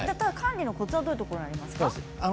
管理のコツはどういうところですか。